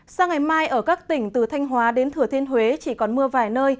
sang ngày mai ở các tỉnh từ thanh hóa đến thừa thiên huế chỉ còn mưa vài nơi